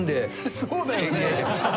そうだよね。